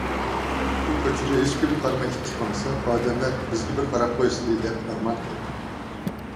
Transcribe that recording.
ئۇ كوچىدا ھېچكىمگە قارىماي ئىتتىك ماڭسا، ئادەملەر بىزگە بىر قاراپ قويسىدى! دەپ ئارمان قىلىدۇ.